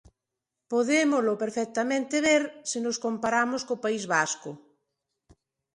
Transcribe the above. Podémolo perfectamente ver se nos comparamos co País Vasco.